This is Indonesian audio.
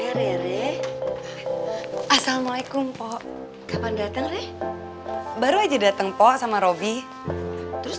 hai rere assalamualaikum po kapan datang deh baru aja datang po sama robby terus